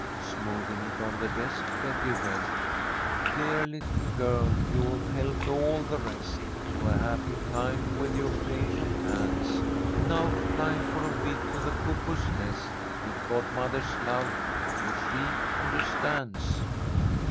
Smoothing it on the desk, Betty read: "Dear little girl, you have helped all the rest To a happy time with your patient hands. Now fly for a week to the Cuckoo's Nest, With godmother's love, for she understands."